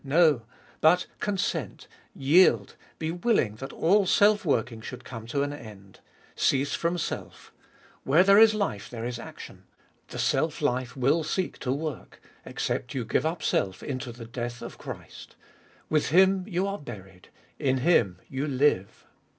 No, but consent, yield, be willing that all self working should come to an end. Cease from self. Where there is life there is action ; the self life will seek to work, except you give up self into the death of Christ ; with Him you are buried, in Him you live.